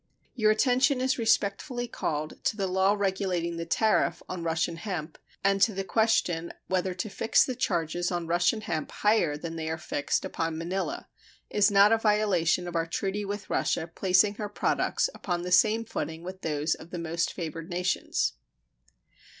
Your attention is respectfully called to the law regulating the tariff on Russian hemp, and to the question whether to fix the charges on Russian hemp higher than they are fixed upon manila is not a violation of our treaty with Russia placing her products upon the same footing with those of the most favored nations.